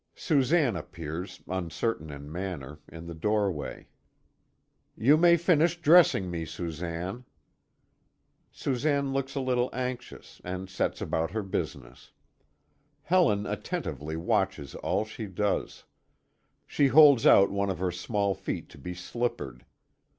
Susanne appears, uncertain in manner, in the doorway. "You may finish dressing me, Susanne." Susanne looks a little anxious, and sets about her business. Helen attentively watches all she does. She holds out one of her small feet to be slippered.